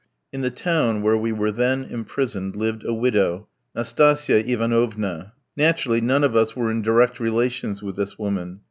In the town where we were then imprisoned lived a widow, Nastasia Ivanovna. Naturally, none of us were in direct relations with this woman.